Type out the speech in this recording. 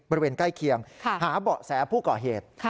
บริเวณใกล้เคียงหาเบาะแสผู้ก่อเหตุ